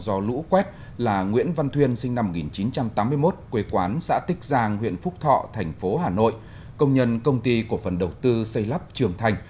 do lũ quét là nguyễn văn thuyên sinh năm một nghìn chín trăm tám mươi một quê quán xã tích giang huyện phúc thọ thành phố hà nội công nhân công ty cổ phần đầu tư xây lắp trường thành